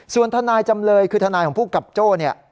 ส่วนท่านนายจำเลยคือท่านนายของผู้กับโจ้